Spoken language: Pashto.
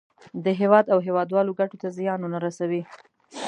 د هېواد او هېوادوالو ګټو ته زیان ونه رسوي.